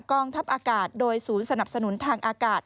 กองทัพอากาศโดยศูนย์สนับสนุนทางอากาศ